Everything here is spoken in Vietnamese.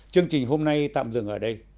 chương trình hôm nay tạm dừng ở đây